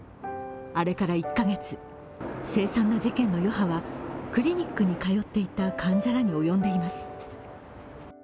あれから１カ月、凄惨な事件の余波はクリニックに通っていた患者らに及んでいます。